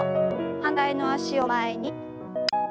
反対の脚を前に。